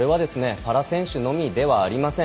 パラ選手のみではありません。